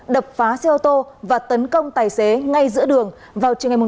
đập phá xe ô tô và tấn công tài xế ngay giữa đường vào chiều ngày tám tháng